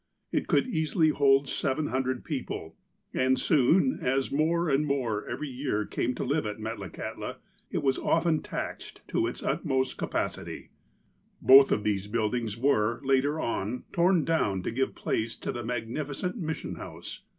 It could easily hold seven hundred people, and soon, as more and more every year came to live at Metlakahtla, it was often taxed to its ut most capacity. Both of these buildings were, later on, torn down to give place to the magnificent Mission House.